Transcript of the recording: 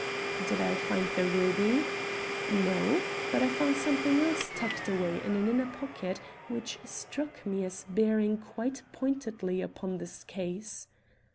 Did I find the ruby? No; but I found something else tucked away in an inner pocket which struck me as bearing quite pointedly upon this case.